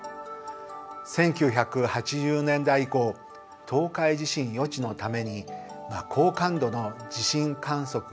１９８０年代以降東海地震予知のために高感度の地震観測が始まりました。